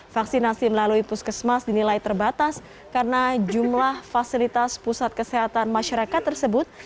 vaksinasi melalui puskesmas dinilai terbatas karena jumlah fasilitas pusat kesehatan masyarakat tersebut